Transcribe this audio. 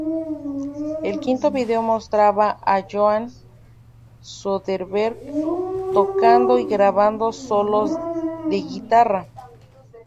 El quinto vídeo mostraba a Johan Söderberg tocando y grabando solos de guitarra.